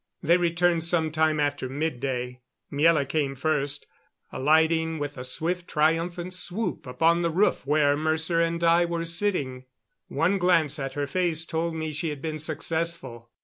They returned some time after midday. Miela came first, alighting with a swift, triumphant swoop upon the roof where Mercer and I were sitting. One glance at her face told me she had been successful.